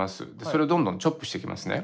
それをどんどんチョップしていきますね。